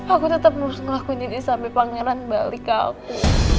aku tetap harus ngelakuin ini sampai pangeran balik ke aku